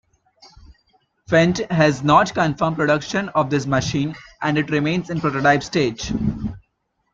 Fendt has not confirmed production of this machine, and it remains in prototype stage.